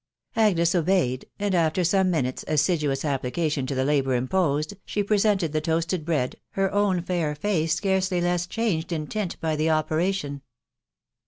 Agnes obeyed, and after some minutes' assiduous applica tion to the labour imposed, she presented the toasted bread, her own fair face scarcely less changed in tint by the operation.